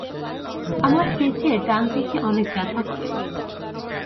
আমার পেটের ডান দিকে অনেক ব্যথা করে।